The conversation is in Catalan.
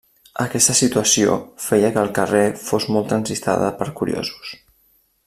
Aquesta situació feia que el carrer fos molt transitada per curiosos.